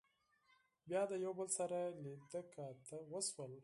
بيا د يو بل سره لیدۀ کاتۀ وشول